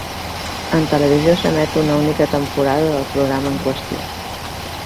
En televisió s'emet una única temporada del programa en qüestió.